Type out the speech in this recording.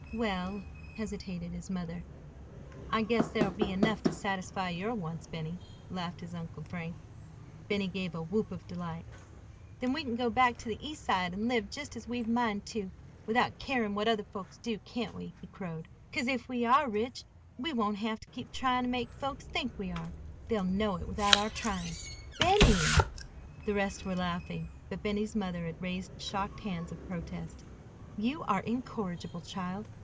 "Well—" hesitated his mother. "I guess there'll be enough to satisfy your wants, Benny," laughed his Uncle Frank. Benny gave a whoop of delight. "Then we can go back to the East Side and live just as we've a mind to, without carin' what other folks do, can't we?" he crowed. "Cause if we are rich we won't have ter keep tryin' ter make folks think we are. They'll know it without our tryin'." "Benny!" The rest were laughing; but Benny's mother had raised shocked hands of protest. "You are incorrigible, child.